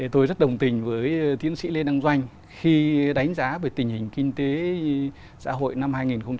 tôi rất đồng tình với tiến sĩ lê đăng doanh khi đánh giá về tình hình kinh tế xã hội năm hai nghìn một mươi tám